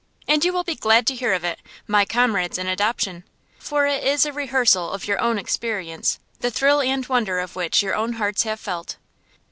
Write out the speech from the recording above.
And you will be glad to hear of it, my comrades in adoption; for it is a rehearsal of your own experience, the thrill and wonder of which your own hearts have felt.